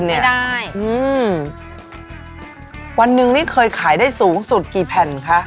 ไม่ได้อืมวันหนึ่งนี่เคยขายได้สูงสุดกี่แผ่นคะ